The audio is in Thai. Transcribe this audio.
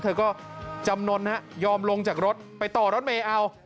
เธอก็จำนวนยอมลงจากรถไปต่อรถเมย์เอา